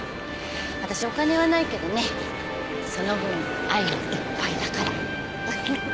わたしお金は無いけどねその分愛がいっぱいだから。